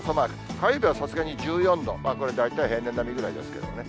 火曜日はさすがに１４度、これ、大体平年並みぐらいですけどね。